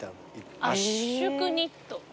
圧縮ニット？